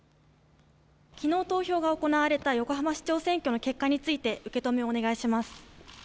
きのう投票が行われた横浜市長選挙の結果について受け止めをお願いします。